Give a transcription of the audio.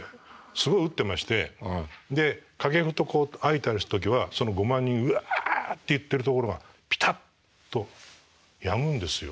すごい打ってましてで掛布と相対する時はその５万人うわって言ってるところがピタッとやむんですよ。